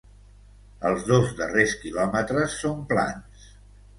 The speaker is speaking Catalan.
Els dos darrers quilòmetres són plans.